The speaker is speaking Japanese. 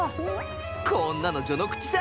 こんなの序の口さ。